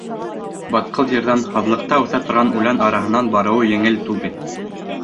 Батҡыл ерҙән, һаҙлыҡта үҫә торған үлән араһынан барыуы еңел түгел.